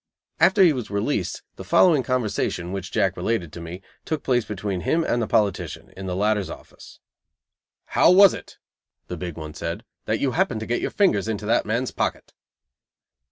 After he was released, the following conversation, which Jack related to me, took place between him and the politician, in the latter's office. "How was it?" the Big One said, "that you happened to get your fingers into that man's pocket?"